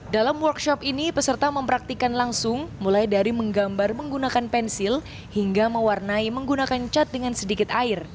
dalam workshop ini peserta mempraktikan langsung mulai dari menggambar menggunakan pensil hingga mewarnai menggunakan cat dengan sedikit air